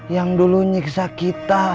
yang dulu nyiksa kita